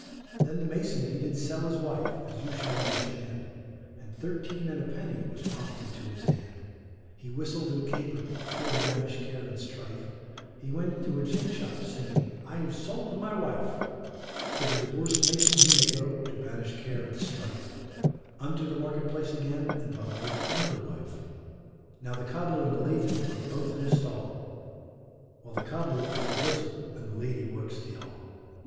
Then the mason he did sell his wife, as you shall understand, And thirteen and a penny was popt into his hand; he whistled and capered, for to banish care and strife, He went into a gin shop, singing, I have sold my wife; So the divorced mason he may go, to banish care and strife, Unto the market place again and buy another wife. Now the cobler and the lady are both in a stall, While the cobler works the bristle, and the lady works the awl.